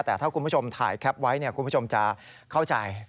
แต่ถ้าคุณผู้ชมถ่ายแคปไว้คุณผู้ชมจะเข้าใจ